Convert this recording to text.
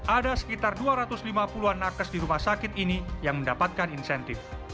ada sekitar dua ratus lima puluh an nakes di rumah sakit ini yang mendapatkan insentif